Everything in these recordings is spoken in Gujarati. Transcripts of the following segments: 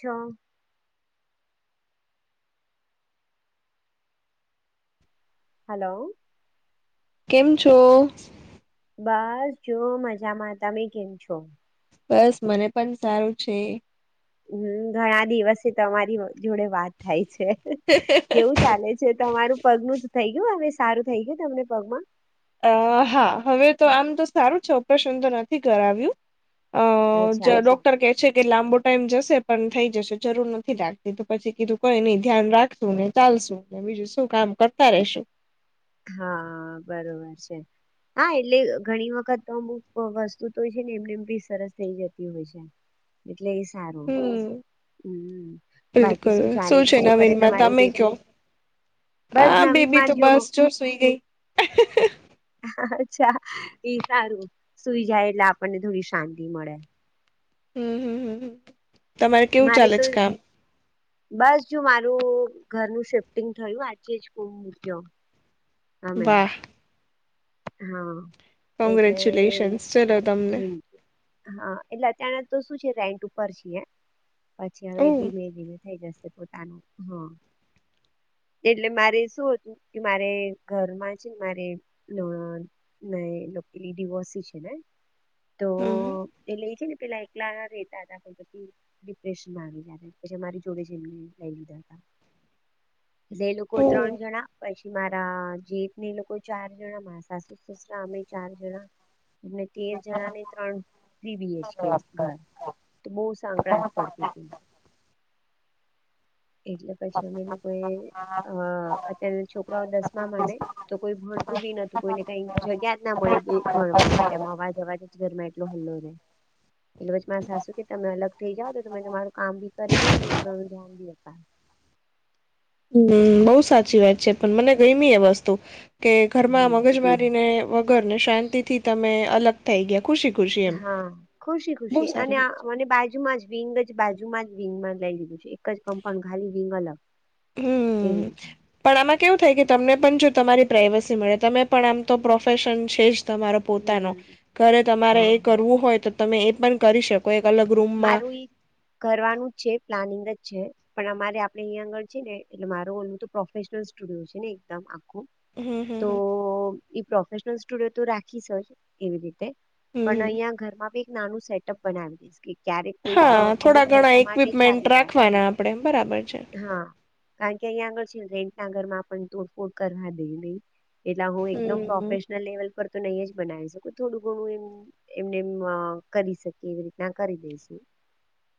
ચો હલો. કેમ છો. બસ જો મજામાં તમે કેમ છો. બસ મને પણ સારું છે. હમ ઘણા દિવસે તમારી. જોડે વાત થાય છે કેવું ચાલે છે તમારું પગ નું જ થઈ ગયું હ. સારું થઈ ગય તમને પગમાં. અ હા હવે તો આમ તો સારું છે ઓપરેશન તો નથી કરાવ્યું. અ અચ્છા ડોક્ટર કે છે કે લાંબુ. ટાઈમ જશે પણ થઈ જશે જરૂર નથી લાગતી તો પછી કીધું કઈ નહી ધ્યાન રાખશું ને ચાલશું. બીજું શું કામ કરતા રશું. હા બરોબર છે. હા એટલે ઘણી વખત અમુક વસ્તુ તો છે ને એમને એમ બી સરસ થઇ જતી હોય છે. એટલે એ સારું. હમ હમ બાકી બિલકુલ શું ચાલે છે શું કરે નવીનમાં તમારી તમે કયો બેબી. બસ આ નવીન બેબી મા તો જો બો. બસ સુઈ ગઈ. અચ્છા એ સારું સુઈ જાય એટલે આપણને થોડી શાંતિ મળે. હમમ તમારે કેવું મારે ચાલે તો છે કામ. બસ જો મારું ઘરનું શિફ્ટિંગ થયું આજે જ મક્યો. વાહ. હમ. કોંગ્રેચ્યુલેશન્સ ચલો તમને. હા એટલે અત્યના તો શું છે રેન્ટ ઉપર છી પછી હવે ઓહ ધીમે ધીમે થઈ જશે. પોતાનું હમ. એટલે મારે શું હતું કે મારે ઘરમાં છે મારે. લી ડિવોર્સ છે ને હમ તો એ લે છે ને. પેલા એકલા રેતા હતાઈી ડિપ્રેશનમાં આવી જ પછી મારી જોડે જેમને લઈ લીધા હતા. એટલે એ લોકો ઓહ ત્રણ જણા પછી મારા જીત ને એ લોકો ચાર. જણા મારા સાસુ સસરા અમે ચાર જણા. એ તેર જણા ને ત્રણ પ્રીબીએચ કે ઘર. તો બહુ સંકળસ પડતી હતી. એટલે પછી અમે લોકો એ અ અત્ય્યારે છોકરાઓ દસમામાં ને તો કોઈ ભ. તું બી નતું કોઈને કઈ જગ્યા જ ના મળે બે ભણવા માટે અવાજ અવાજ ઘરમાં એટલો હલ્લો રહેે. એટલે વચ મારે સાસું કે તમે અલગ થઇ જાાવ તો તમે તમારું કામ ભી કરી દ લોો ને છોકરાનું ધ્યાન ભી. હ હમ બઉુ સાચી વાત છે પણ મને ગમી એ વસ્તુ. કે ઘરમાં હમ મગજ મારીને વગર ને શાંતિ થી તમે અલગ થઈ ગયા. ખુશી ખુશી એમ. હા ખુશી બહુ ખુશી અને સારી મ બાજુમાં જ વિંગ જ બાજુમાં જ. વિંગ માં જ લઈ દીધું છે એક જ કમ્પાઉન્ડ ખાલી વિંગ અલગ હમ્મ. એવી રીતે. પણ આમાં કેવું થાય કે તમને પણ જો તમારી પ્રાઇવસી મળે તમે પણ આમ તો પ્રોફેશન છે જ. તમારો પોતાનો હમ ઘરે તમારે હા એ કરવું હોય તો તમે એ પણ કરી શકો. એક અલગ રૂમમાં મારું કરવાનું જ છે પ્લાનિંગ જ છે. પણ અમારે આપડે અહીંયા આગળ છે ને એટલે માર તો પ્રોફેશનલ સ્ટુડિયો છે ને એકમ. હમ હમ હ. નેનલ સ્ટુડિયો તો રાખીશજ એવી રીતે પણ હમ્મ અહિયાં ઘરમાં બી. નાનું સેટઅપ બનાવી દશ. હા થોડા ઘણા ઈક્વિપમેન્ટ ચાલી જાય રાખવાના આપણે બરાબર છે. હા કારણ કે અહીંયા આગળ છે રેન્ટ ના ઘરમાં પણ તોડફોડ કરવા દે નહી. એટલા હું એકદમ હમ્મ. Professional level. પર તો નહી જ બનાવી શકો થોડું ઘણું એમ એમને કરી શકી એવી રીતના. ખરીદ છે.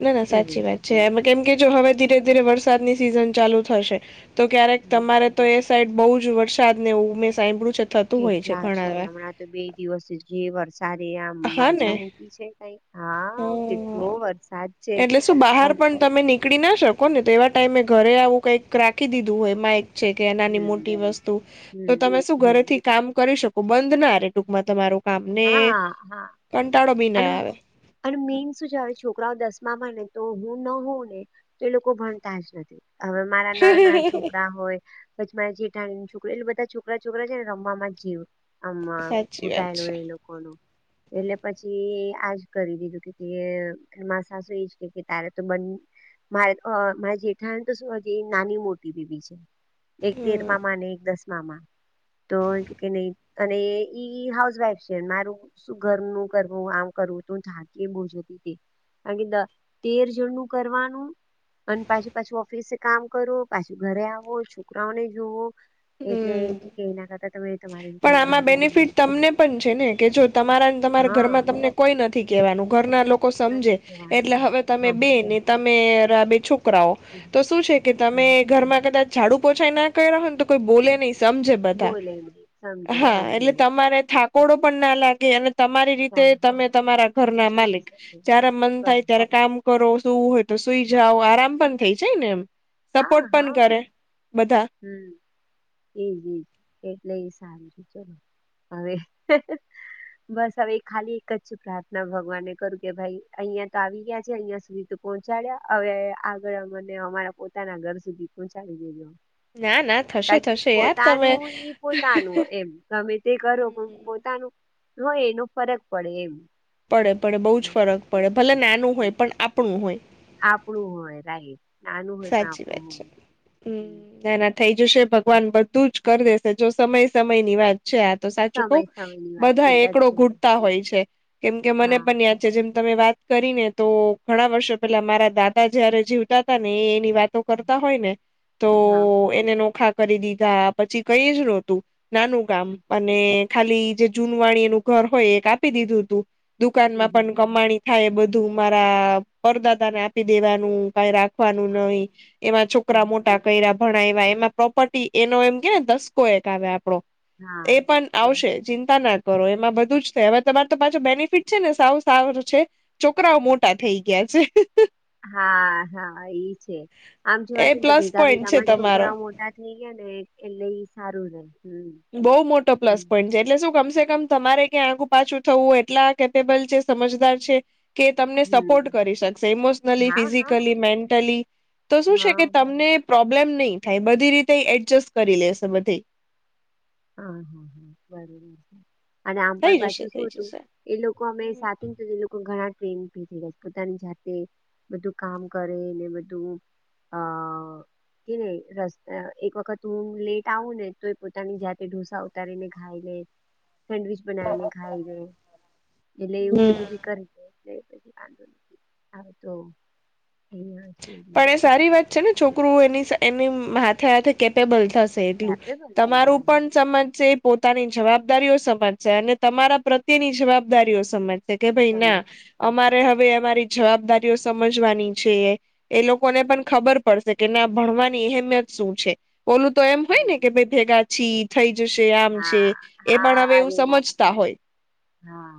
ના ના સાચી વાત છે એ કેમ કે જો હવે અને ધીરે ધીરે વરસાદની સિઝન ચાલુ થશે. તો ક્યારેક હમ, તમારે તો એ સાઈડ બઉુ જ વરસાદ ને એવું મેં સાંભળ્યું. છે થતું હોય કેટલા ઘણા છે વાર હમણાં તો બે દિવસ જે વર. તારે આમ હા ને માજા મૂકી છે કઈ હા હમ કેટલો વરસાદ છે. એટલે શું બહાર પણ તમે નીકળી ના શકો ને તેવા ટાઈમે ઘરે આવું કઈક રાખી દીધું હોય એમાં એક. કે એનાની હમ મોટી વસ્તુ તો હમ તમે શું હમ ઘરેથી કામ કરી શકો. બંધ ના ર ટૂંકમાં તમારું કામ ને. હા હા કંટાળો બી અને ના અને મેીન શું છે હવે છોકરાઓ દસમામાં નથી. તો હું ન હોઉં ને તો એ લોકો ભણતા જ નથી. હવે મારા નણ ના આવે છોકરા હોય. જે ઠાણીુંનોકરી એટલે બધા છોકરા છોકરા છે ને રમવા જ જેવું. અમમાં સાચી વાત છે ઘુટાયળું એ લોકો કોનું. એટલે પછી આજ કરી દીધું કે મા સાસુ એજ કે તારે તો બ. મા મારે જેઠાણ તો શું નાની મોટી પીવીી છે. એક તેર હમ મામા અને એક દસ મામા તો કે નહી અને ઈ હાઉસ વાઈફ છે, મારું શું ઘર નું કરવું આમ કરવું તું થાકી એ બો આ ગીતદા તેર જનનુ કરવાનુ, અને પાછી પાછી ઓફિસે કામ કરું પાછું ઘરે આવો છોકરાઓને જોવો એટલે એ હમ કે કઈ નાખાતા તમે તમારી પણ રીતના આમાં શાંતિથી બેનિફિટ બધી તમને પણ છે, ને કે જો તમારા તમારા હા ઘરમાં તમને કોઈ નથી કેહેવાનું ઘરના લોકો સમજે નથી કહેવાનું એટલે હવે તમે હા બે હા ને તમે બે છો છોકરાઓ તો શું છે કે હમ તમે ઘરમાં કદાચ બાડુ પોછાાઈ ના કર રહો ને તો કોઈ બોલે નહીિ. સમજે બધા બોલે નહી સમજે હા સમજે એટલે વાત તમારે થાકોડો પણ ના લાગે અને. તમારી રીતે ચાલે તમે તમારા ઘર ના જીવી માલિક શકે જય્યારે મન થાય હા ત્યારે કામ કરો શું હોય. તો સુઈ જાવ આરામ પણ થઇ જાય ને એમ હા સપોર્ટ પણ હા કરે બધા. એજજ એટલે એ સારું છે ચલો હવે. બસ હવે ખાલી એક જ પ્રાર્થના ભગવાનને કરું કે ભાઈ અહિયાં તો આવી ગયા છે અહિયાં સુધી. પહોંચાડ્યા હવે આગળ મને અમારા પોતાના ઘર સુધી પહોંચાડી દેધ. ના ના થશે બાકી થશે યાર તમે પોતાનું ઈ પોતાનું એમ ગમે તે કરો પણ. હમ પોનું હોય એનો ફરક પડે એમ. પડે પડે બહુ જ ફરક પડે ભલે નાનું હોય હમ. પણ આપણું હોય. આપણું હોય રાહ. સાચી વાત છે, જોઈએ. હમ્મ નાના થઈ જ જેશે ભગવાન બધું જ કરી દેશે, જો સમય સમય ની વાત છે, આ તો સાચું કઉ સમય સમયની વાત છે બધા એકડો સાચે ઘૂટતા હોય છે, કેમ કે મને હા પણ યાદ છે જેમ તમે વાત કરીને તો ઘણા વર્ષો પેલા મારા દાદા જયારે જીવતા હતા ને એ વા હા કરતા હોય ને તો હા એને નોખા કરી દીધા પછી કઈ જ નતું નાનું કામ હમ અને ખાલી જે જૂનવાણી એ નું ઘર હોય એ કાપી દીધું હતું, હમ દુકાનમાં હમ, પણ કમાણી થાય એ બધું મારા પરદાતા ને આપી દેવાનું કાઈ રાખ હા નહી એમાં હમ છોકરા મોટા કરયા ભણાવ્યા એમાં પ્રોપર્ટી એનો એમ કેવાય ને દસકો એક આવે, [unintelligible] હા એ પણ બર આવશે ચિંતા ના કરો, એમાં બધું જ થાય હવે તમારે તો પાછો બેનિફિટ છે ને સાવું સારું છે, છોકરાઓ મોટા થઈ ગયા છે, હા હા, ઈ છે આમ જોવા એ જ ને તો પ્લસ ભેગા પોઈન્ટ છે ભેગામાં તમારો છોકરાઓ મોટા થઈ ગયા ને એટલે એ સારું રહે બઉ મોટો પ્લસ પોઈન્ટ છે, એટલે શું ગમશે મ તમારે ક્યા આગું પાછું થવું હોય એટલા કેપેબલ છે સમજદાર છે, કે તમને સપોર્ટ હમ. કરી શકશે, ઇમોશનલી હા હા ફિઝિકલી મેન્ટલી તો શું છે, કે હા બસ તમને પ્રોબ્લેમ નહી થાય બધી રીતે એડજસ્ટ કરી લેશે બધેય હા હા હા [unintelligible] અને આમ થઈ પણ જશે પાછું શું થઈ હતું જશે એ લોકો અમે સાથે એ લોકો ઘણા ટ્રેન પોતાની જાતે બધું કામ કરેને બધું અ કે રસ્તા એક વખત હું લેટ આવું ને તો પોતાની જાત તે ઢુસા ઉતારી ને ખાય લે સેન્ડવીચ બનાવીને ખાઈ લે એટલે એવું બધું હમ બી કર દે એટ હવે તો. પણ એ સારી વાત છે, ને છોકરું એની એની હાથે હાથે કેપેબલ થશે એટલું કેપેબલ થઈ તમારું પણ જાય સમજ છે, પોતાની જવાબદારીઓ સમજશે અને તમારા પ્રત્યેની જવાબદારીઓ સમજશે કે ભાઈ ના સમજ અમારે હવે અમારી જવાબદારીઓ સમજવાની છે, એ લોકોને પણ ખબર પડશે કે ના ભણવાની અહેમિયત શું છે, ઓલું તો એમ હોય ને હમ, કે ભ ભેગાછી થઈ. આમ છે હા એ પણ હા હવે એવું અરે સમજતા હોય. હા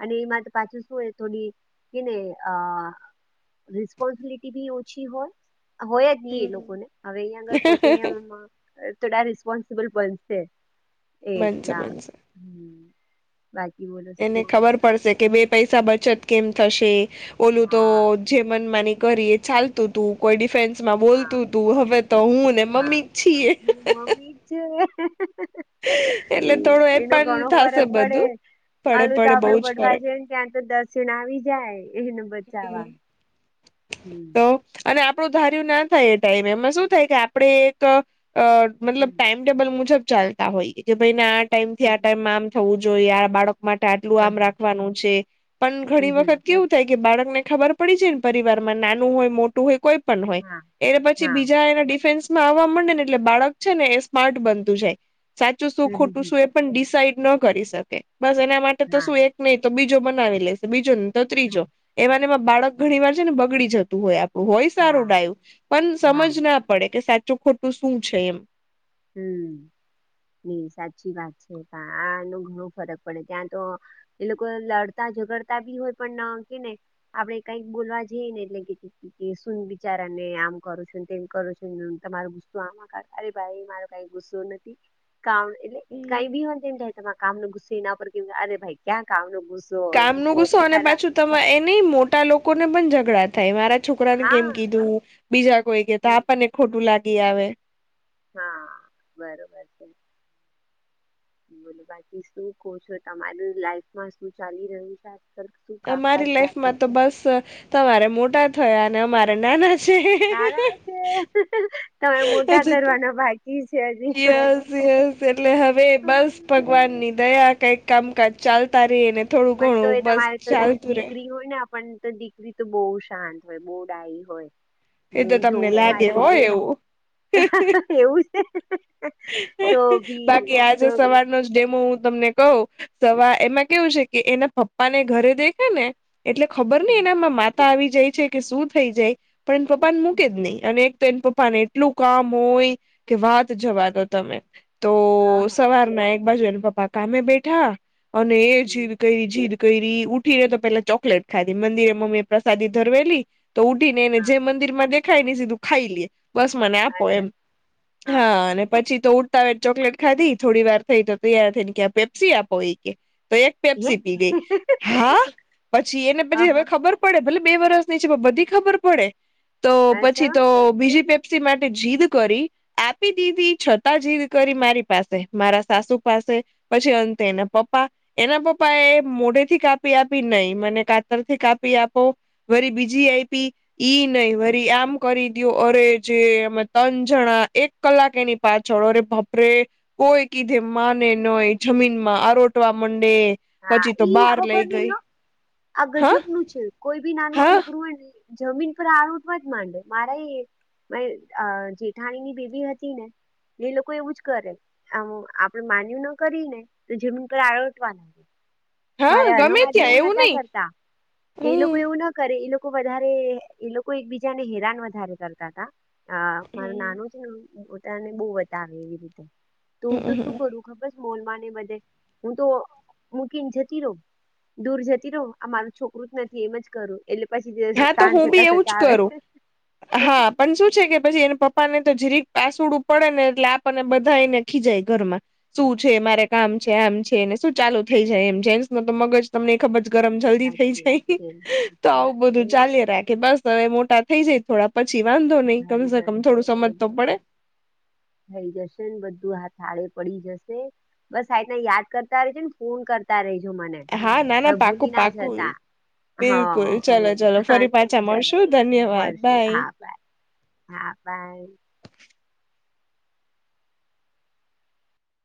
અને એમાં તો પાછું શું એ થોડી કે ને આ. રિસ્પોન્સબિલિટી બી ઓછી હોય. હોય જ હી એ લોકોને હવે અહીં આગળ પોતે. થોડા રિસ્પોન્સબલ બનશે બનશે એકલા બનશે. હમ. બાકી બોલો શું એને કહો છો ખબર તમે પડશે કે બે પૈસા બચત કેમ થશે. ઓલું તો હા જે મનમાની કરી એ ચાલતું તું કોઈ ડિફેન્સ. હા બોલતું તું હવે તો હું ને હા મમ્મી જ છીએ. એ એટલે થોડું એનો પણ ઘણો થશે ફરક પડે, બધું પડે હલું તો પડે બહુ આપડું જ બઢવાય ફરક છેને ક્યાં તો દસ ણ આવી જાય એને હમ બચાવા હમ્મ આપું ધાર્યું ના થાય એ ટાઈમ એમાં શું થાય કે આપણેે એક મતલબ હમ ટાઈમટેબલ મુજબ ચાલતા હોઈએ કે ભાઈને આ ટાઈમ થી આ ટાઈમમાં આમ થવું જોઈએ, આ બાળક માટે આટલું હા આમ હા રાખવાનું છે, પણ હમ ઘણી હમ વખત કેવું થાય, કે બાળક ને ખબર પડી જાય ને પરિવાર માં નાનું હોય મોટું હોય કોઈ પણ હોય હા એ પછી હા બીજા એના ડિફેન્સ. આવવા મડે એટલે બાળક છે ને એ સ્માર્ટ બનતું જાય સાચું શું હમ ખોટું હમ શું એ પણ ડિસાઈટ ન કરી શકે બસ એના માટે તો હા શું એક નહી તો બીજો બનાવી લેશે બીજો નહી તો ત્રીજો, હા માં બાળક ઘણી વાર છે, ને બગડી જતું હોય હોય સારું હા ડાયું પણ હા સમજ ના પડે કે સાચું ખોટું શું છે એમ. હમ [unintelligible] સાચી વાત છે આનું ઘણું ફરક પડે ત્યાં તો એ લોકો લડતા. ગડતા બી હોય પણ કેને આપડે કઈક બોલવા જઈ ને એટલે કેુંન બિચારા. ને આમ કરું છ તેમ કરું છો તમાર ગુસ્તું આમાં કર અરે ભાઈ. ુસ્ો નથી એટલે ક બી તમા. કામ નોુસ્સે એના પર કે અરે ભાઈ ક્યા કામ નોુસ્. કામ ન કુસો અને પાછું ત એ નહી મોટા લોકોને પણ ઝઘડા થાય મારા. છોકરાને કેમ હા કીધું બીજા કોઈ કેતા હમ, આપણને ખોટું લાગી આવે. હા બરોબર છે. મને બાકી શું કહ છો તમારું લાઈફમાં શું ચાલી રહ્યું છે. આજકાલ શું કામકાજ અમારી ચાલે છે? લાઈફમાં તો બસ તમારે મોટા થયા અને અમારે નાના. છે નાના છે તમે મોટા હજુ તો કરવાના બાકી. છે હજી યસ યસ એટલે હવે બસ હમ. ભગવાનની દયા. કઈક કામકાજ ચાલતા રે ને થોડું પણ ઘણું બસ ચાલતું રે. પણ તો દીકરી તો બહુ શાંત હોય બહુ ડાયી હોય. એ તો હ તમને જોવું ને લાગે મારે હોય એવું એવું. છે તો ભી બાકી આજે તો ભી સવારનો જ ડેમો હું તમને કઉ. સવા એમાં કેવું છે કે એના પપ્પા ને ઘરે દેખે ને એટલે ખબર નહ એનામાં માતા. પ આવી જાય છે કે શું થઈ જાય પણ પપ્પાને મૂકે જ નહી અને. બેન પપ્પા ને એટલું કામ હોય કે વાત જવા. તમે હા હા તો હા સવારના એક બાજુ એ પપ્પા કામે બેઠા. અને એ હમ. જ કઈ જી. કરી ઉઠી રે તો પેલા ચોકલેટ ખાધી મંદિરે મમ્મી એ પ્રસાદી ધરવેલી. તો ઉઠી ને એને હા જે મંદિરમાં દેખાય ને સીધું ખાઈ લે. બસ મને આપો એમ અચ્છા હા અને. પછી તો ઉડતા ચોકલેટ ખાધી થોડી વાર થઈ તો તૈયાર થઈને કે પેપ્સી આપો એ કે. તો એક હે પેપ્સી પી ગઈ હા પછી એને હા પછી હવે હા ખબર પડે ભલે. બે વરસ ની છે, બધી ખબર પડે તો પછી અચ્છા તો બી પેપ્સી [unintelligible] માટે જીદ કરી આપી દીધી છતાં જીદ કરી મારી પાસે મારા સાસુ પાસે પછી અંતે એના પપ્પા એના પપ્પા પપ્પા એ મોઢે થી કાપી આપી નહી મને કાતર થી કાપી આપો વરી બીજી આઈપી ઈ નહી વરી આમ કરી દયો, અરે જે અમે ‌ત્રણ જણા એક કલાક એની પાછળ અરે બાપરે કોઈ કીધે માને નય જમીનમાં આરોટવા માંડે હા ઈ ખબર નહીં હ આ હા ગજબ નું છે કોઈ બી નાનું હા છોકરું હોય જમીન પર આરોટવા જ માંડે મારા એ મારી અ જેઠાણી ની બેબી હતી, ને એ લોકો એવું જ કરે આ આપડ માન્યું ન કરી ને તો જમીન પર આરોટવા લાગે. મારે હા હરો ગમે માંથી ત્યાં એવું નતા નહી કરતા એ લોકો હમ એવું ના કરે એ લોકો લોકો વધારે એ લોકો એકબીજા ને હેરાન વધારે કરતા હતા. હા મારું નાનું છે, એ પોતાને બહુ લાગે એવી રીતે, તો હું તો શું હમ કરું ખબર મોલમાંને બધે હું તો મૂકીને જતી રહો દૂર જતી રહો આ મારું છોકરું જ નથી એમ જ કરું એટલે પછી જે હા તો શાંત હું થતા બી એવું થતા જ આવે. કરું હા પણ શું છે, કે પછી એને પપ્પા ને તો જીરીક પાસુડું પડે ને એટલે આપને બધાને ખીજાય ઘરમાં શું છે, મારે કામ છે આમ છે. શું ચાલુ થઈ જાય એમ જેન્સ ન તો મગજ તમને ખબર છે. ગરમ જલ્દી થ‌ઈ સાચી વાત જાય છે તો સાચી આવું વાત છે બધું ચાલ્યા રાખે બસ હવે મોટા થઈ જાય થોડા પછી વાંધો નહી થઈ કમસે કમ જશે થોડું સમજ તો પડે. થઈ જશે ને બધું હાથાળે પડી જશે બસ આના યાદ કરતા રેજ ને ફોન કરતા રહી. હા, ના, ના, પાકું, પાકું. હ બિલકુલ હા ચલો ચલો ફરી ને પાછા ચલો મળશું ધન્યવાદ મળશું બાય. હા હા બાઈ.